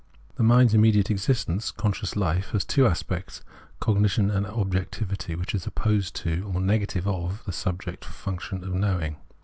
The mind's immediate existence, conscious life, has two aspects — cognition and objectivity which is op posed to or negative of the subjective function of knowing.